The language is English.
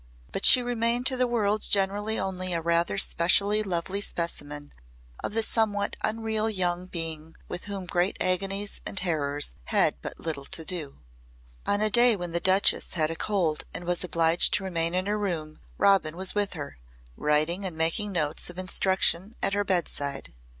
But she remained to the world generally only a rather specially lovely specimen of the somewhat unreal young being with whom great agonies and terrors had but little to do. On a day when the Duchess had a cold and was obliged to remain in her room Robin was with her, writing and making notes of instruction at her bedside.